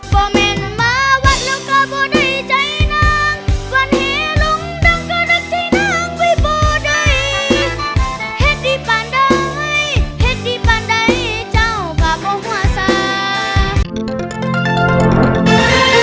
ที่นั่งวิบัติให้ดีผ่านได้ให้ดีผ่านได้เจ้ากับมหวังสา